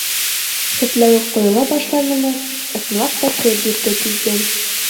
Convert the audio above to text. Сәтләүек ҡойола башланымы — ысынлап та көҙ етте тип бел.